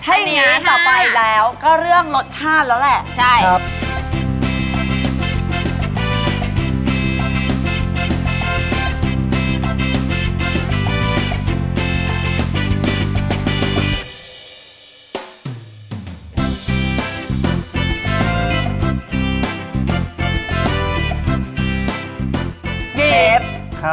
แค่นี้ต่อไปแล้วก็เรื่องรสชาติแล้วแหละใช่ครับ